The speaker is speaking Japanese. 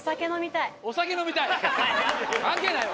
お酒飲みたい？